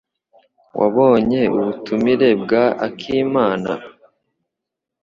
Wabonye ubutumire bwa Akimana?